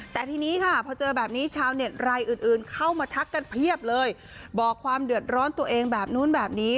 แต่ทีนี้ค่ะพอเจอแบบนี้ชาวเน็ตรายอื่นอื่นเข้ามาทักกันเพียบเลยบอกความเดือดร้อนตัวเองแบบนู้นแบบนี้